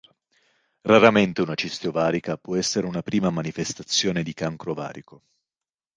Raramente una cisti ovarica può essere una prima manifestazione di cancro ovarico.